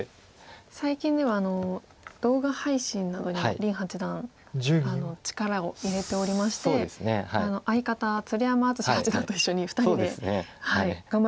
最近では動画配信などにも林八段力を入れておりまして相方鶴山淳志八段と一緒に２人で頑張られてますよね。